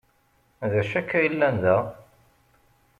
D acu akka yellan da?